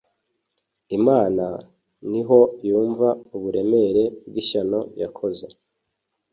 imana, niho yumva uburemere bw’ishyano yakoze